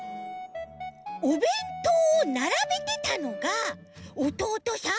おべんとうをならべてたのがおとうとさん？